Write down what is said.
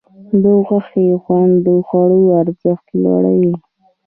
د غوښې خوند د خوړو ارزښت لوړوي.